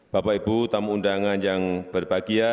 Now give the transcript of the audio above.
bapak ibu tamu undangan yang berbahagia